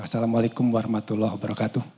wassalamualaikum warahmatullah wabarakatuh